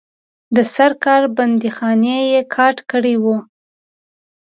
د سرکار بندیخانې یې کاټ کړي وه.